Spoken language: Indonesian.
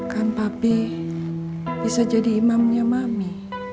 kan papi bisa jadi imamnya mami